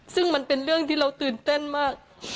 ซึ่งมันเป็นเรื่องที่เราตื่นเต้นมาก